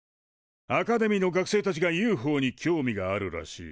アカデミーの学生たちがＵＦＯに興味があるらしい。